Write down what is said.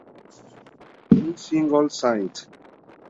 Un single, "St.